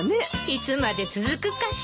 いつまで続くかしら。